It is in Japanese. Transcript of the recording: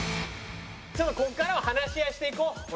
ちょっとここからは話し合いしていこう。